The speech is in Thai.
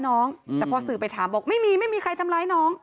แต่พอสื่อไปถามบอกไม่มีไม่มีใครทำร้ายน้อง